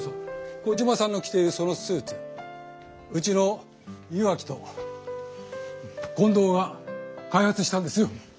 コジマさんの着ているそのスーツうちの岩城と近藤が開発したんですよ。